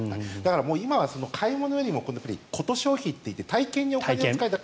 今は買い物よりもコト消費といって体験にお金を使いたい。